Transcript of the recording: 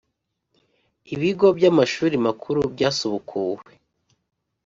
ibigo by amashuri makuru byasubukuwe